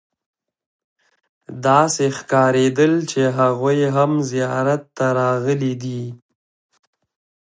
داسې ښکارېدل چې هغوی هم زیارت ته راغلي دي.